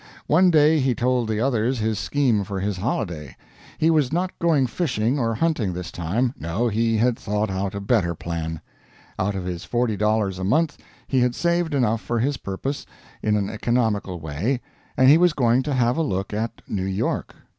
One day he told the others his scheme for his holiday. He was not going fishing or hunting this time no, he had thought out a better plan. Out of his $40 a month he had saved enough for his purpose, in an economical way, and he was going to have a look at New York.